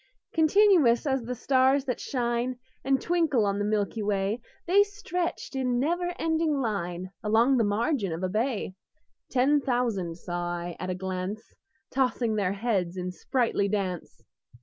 Continuous as the stars that shine And twinkle on the milky way, The stretched in never ending line Along the margin of a bay: Ten thousand saw I at a glance, Tossing their heads in sprightly dance.